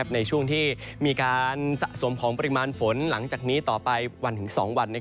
ในช่วงที่มีการสะสมของปริมาณฝนหลังจากนี้ต่อไปวันถึง๒วัน